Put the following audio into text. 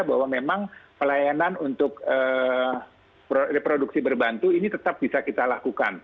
bahwa memang pelayanan untuk reproduksi berbantu ini tetap bisa kita lakukan